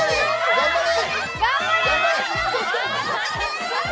頑張れ！